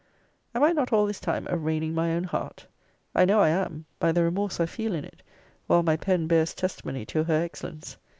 Am I not all this time arraigning my own heart? I know I am, by the remorse I feel in it, while my pen bears testimony to her excellence.